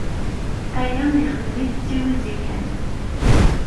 Aya ixdem-it d tiwizi kan.